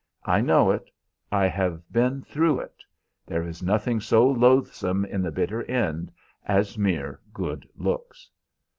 I know it. I have been through it. There is nothing so loathsome in the bitter end as mere good looks."